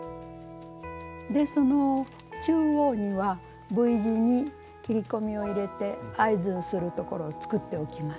でその中央にはＶ字に切り込みを入れて合図にするところを作っておきます。